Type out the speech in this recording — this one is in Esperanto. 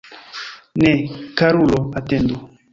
Ne, karulo, atendu!